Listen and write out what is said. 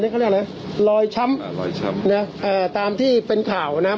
เขาเรียกอะไรรอยช้ำอ่ารอยช้ำนะอ่าตามที่เป็นข่าวนะ